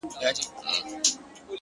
• چی مات سوي یو زړه ماتي او کمزوري,